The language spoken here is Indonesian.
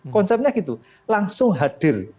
konsepnya gitu langsung hadir